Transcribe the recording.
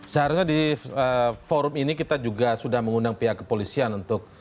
seharusnya di forum ini kita juga sudah mengundang pihak kepolisian untuk